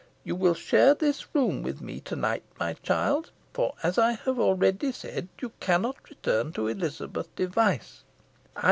You will share this room with me to night, my child; for, as I have already said, you cannot return to Elizabeth Device.